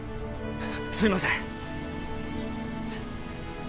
すいません！